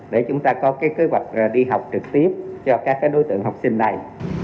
để chúng ta có kế hoạch đi học trực tiếp cho các đối tượng học sinh này